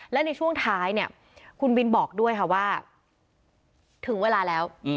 และในช่วงท้ายเนี่ยคุณบินบอกด้วยค่ะว่าถึงเวลาแล้ว